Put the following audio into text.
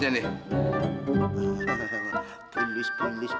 tidak tidak tidak tidak